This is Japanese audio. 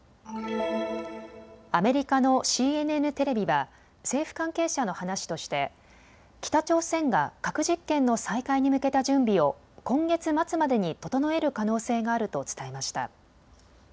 アメリカのＣＮＮテレビは政府関係者の話として北朝鮮が核実験の再開に向けた準備を今月末までに整える可能性があると伝えました。